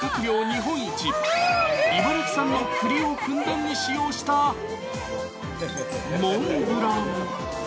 日本一、茨城産のくりをふんだんに使用したモンブラン。